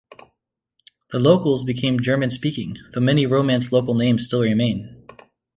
The locals became German speaking, though many Romance local names still remain.